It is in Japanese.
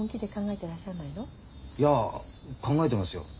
いや考えてますよ。